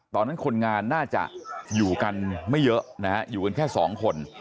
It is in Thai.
ตอนนั้นคนงานน่าจะอยู่กันไม่เยอะนะฮะอยู่กันแค่สองคน